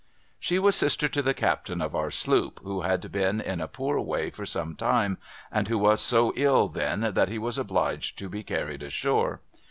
She was sister to the captain of our sloop, who had been in a poor way for some time, and who was so ill then that he was obliged to be carried ashore.